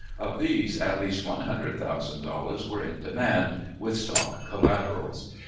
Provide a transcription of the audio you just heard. Of these, at least one hundred thousand dollars were on demand, with stock collaterals.